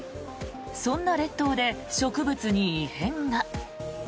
そんな列島で植物に異変が。